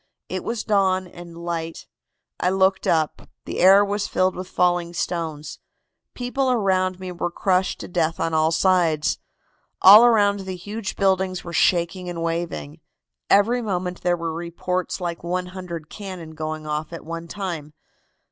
It was dawn and light. I looked up. The air was filled with falling stones. People around me were crushed to death on all sides. All around the huge buildings were shaking and waving. Every moment there were reports like 100 cannon going off at one time.